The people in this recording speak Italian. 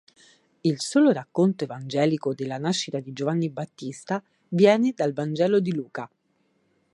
Il solo racconto evangelico della nascita di Giovanni Battista viene dal vangelo di Luca.